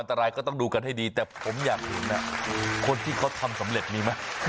แต่ก็มันก็มีความอันตรายถ้าเขาทำสำเร็จมีมั้ย